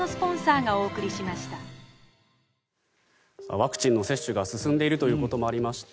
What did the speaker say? ワクチンの接種が進んでいるということもありまして